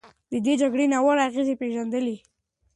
ده د جګړې ناوړه اغېزې پېژندلې.